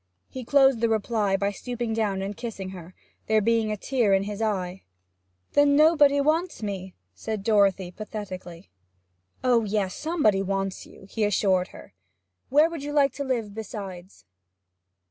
He closed the reply by stooping down and kissing her, there being a tear in his eye. 'Then nobody wants me!' said Dorothy pathetically. 'Oh yes, somebody wants you,' he assured her. 'Where would you like to live besides?'